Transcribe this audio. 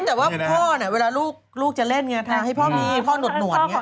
แต่ว่าพอเนี่ยลูกจะเล่นทาให้พอดูใหญ่พอหนูดหนวด